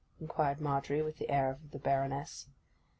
inquired Margery with an air of the Baroness.